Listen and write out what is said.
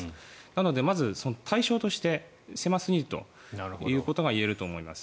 なのでまず、対象として狭すぎるということが言えると思います。